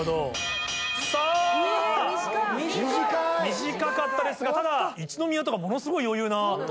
短かったですがただ一宮とかものすごい余裕な。